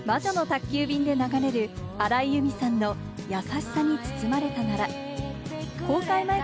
『魔女の宅急便』で流れる、荒井由実さんの『やさしさに包まれたなら』。